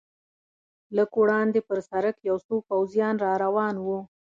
لږ وړاندې پر سړک یو څو پوځیان را روان و.